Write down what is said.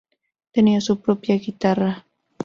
Tenía su propia guitarra.